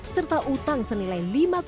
serta utang senilai